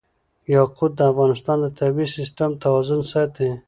یاقوت د افغانستان د طبعي سیسټم توازن ساتي.